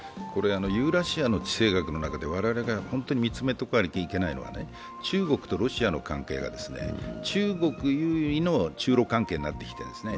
ユーラシアの地政学の中で我々が本当に見つめていかなければならないのは中国とロシアの関係が中国優位の中ロ関係になってきているんですね。